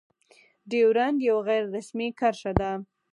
ډيورنډ يو غير رسمي کرښه ده.